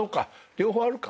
両方あるか。